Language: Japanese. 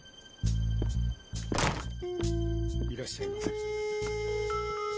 いらっしゃいませ。